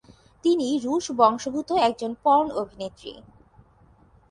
তিনি রুশ বংশোদ্ভূত একজন পর্ন অভিনেত্রী।